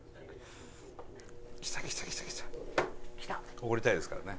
オゴりたいですからね。